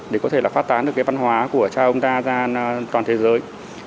để có thể phát tán được văn hóa của cha ông ta ra toàn thế giới